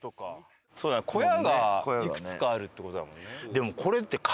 小屋がいくつかあるって事だもんね。